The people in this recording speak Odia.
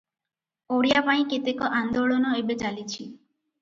ଓଡ଼ିଆ ପାଇଁ କେତେକ ଆନ୍ଦୋଳନ ଏବେ ଚାଲିଛି ।